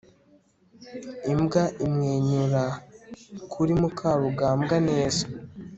imbwa imwenyura kuri mukarugambwa neza